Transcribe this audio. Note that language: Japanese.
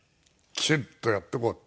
きちっとやっていこう。